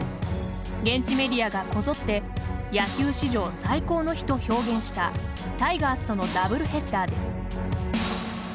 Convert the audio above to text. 現地メディアがこぞって「野球史上最高の日」と表現したタイガースとのダブルヘッダーです。